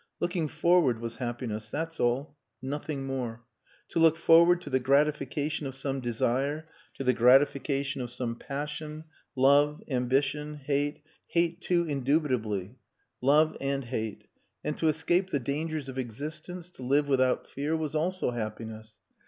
Looking forward was happiness that's all nothing more. To look forward to the gratification of some desire, to the gratification of some passion, love, ambition, hate hate too indubitably. Love and hate. And to escape the dangers of existence, to live without fear, was also happiness.